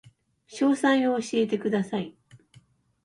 詳細を教えてください